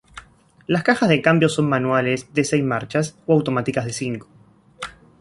Las cajas de cambios son manuales de seis marchas o automáticas de cinco.